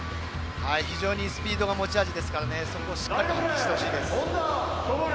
非常にスピードが持ち味ですからしっかり発揮してほしいです。